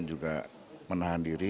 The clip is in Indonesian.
juga menahan diri